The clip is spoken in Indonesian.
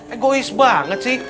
egois banget sih